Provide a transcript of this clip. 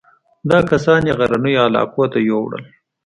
دا کسان یې غرنیو علاقو ته یووړل.